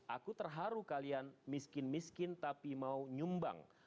aku terharu kalian miskin miskin tapi mau nyumbang